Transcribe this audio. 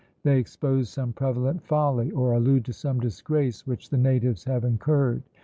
They expose some prevalent folly, or allude to some disgrace which the natives have incurred.